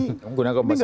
ini tidak ada gunanya